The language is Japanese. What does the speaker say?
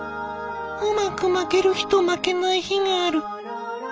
うまく巻ける日と巻けない日がある。